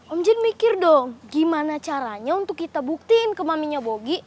om jen mikir dong gimana caranya untuk kita buktiin ke maminya bogi